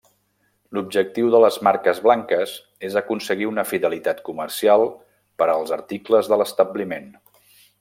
L'objectiu de les marques blanques és aconseguir una fidelitat comercial per als articles de l'establiment.